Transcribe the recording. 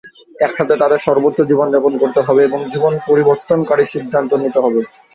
একসাথে, তাদের সর্বোচ্চ জীবনযাপন করতে হবে এবং জীবন পরিবর্তনকারী সিদ্ধান্ত নিতে হবে।